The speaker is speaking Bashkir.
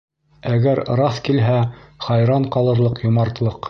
Әгәр раҫ килһә, хайран ҡалырлыҡ йомартлыҡ!